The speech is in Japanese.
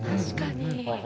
確かに。